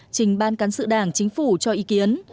trình ban cán sự đảng chính phủ cho ý kiến